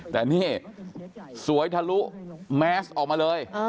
แต่นี่สวยทะลุแมสออกมาเลย